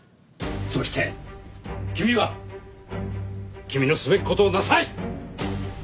そして君は君のすべき事をなさい！